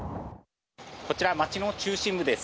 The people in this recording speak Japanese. こちら町の中心部です。